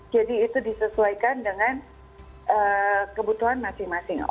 jadi itu disesuaikan dengan kebutuhan masing masing